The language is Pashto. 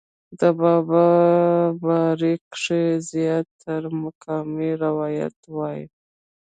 د بابا باره کښې زيات تره مقامي روايات وائي